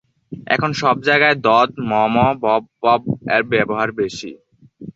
এখন সব জায়গায় দদ/মম/বববব এর ব্যবহার বেশি।